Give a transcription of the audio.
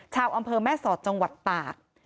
ชาวอำเภอแม่สอดจังหวัดตาก